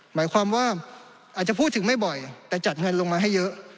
หมายความว่าอาจจะพูดถึงไม่บ่อยแต่จัดเงินลงมาให้เยอะ